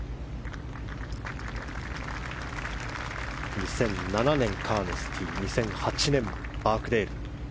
２００７年、カーヌスティ２００８年、バークデール。